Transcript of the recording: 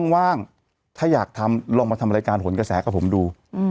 ว่างถ้าอยากทำลองมาทำรายการหนกระแสกับผมดู